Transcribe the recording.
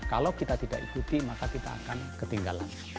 kalau kita tidak ikuti maka kita akan ketinggalan